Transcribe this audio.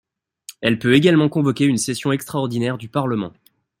Elle peut également convoquer une session extraordinaire du Parlement.